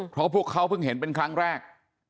เพราะพวกเขาเพิ่งเห็นเป็นครั้งแรก